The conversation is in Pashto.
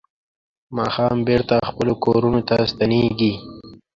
ماښام بېرته خپلو کورونو ته ستنېږي.